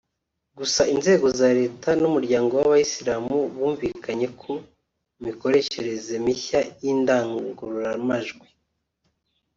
Gusa inzego za Leta n’Umuryango w’Abayisilamu bumvikanye ku mikoreshereze mishya y’indangururamajwi